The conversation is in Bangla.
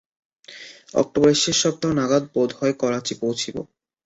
অক্টোবরের শেষ সপ্তাহ নাগাদ বোধ হয় করাচি পৌঁছিব।